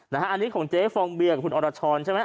อันนี้ของเจ๊ฟองเบียกับคุณอรชรใช่ไหม